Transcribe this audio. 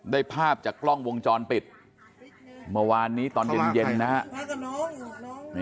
ได้ภาพจากกล้องวงจรปิดเมื่อวานนี้ตอนเย็นนะครับ